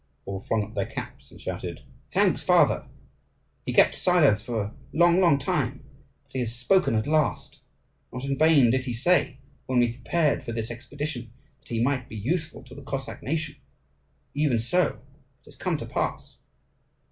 All flung up their caps and shouted, "Thanks, father! He kept silence for a long, long time, but he has spoken at last. Not in vain did he say, when we prepared for this expedition, that he might be useful to the Cossack nation: even so it has come to pass!"